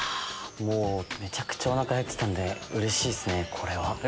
もうめちゃくちゃおなかへってたんでうれしいっすね。